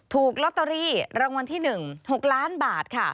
ถูกลอตเตอรี่รางวัลที่๑๖ล้านบาทค่ะ